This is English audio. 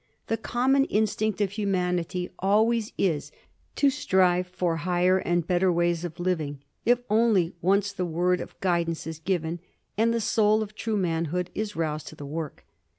The common instinct of humanity always is to strive for high er and better ways of living, if only once the word of guidance is given and the soul of true manhood is roused to the work.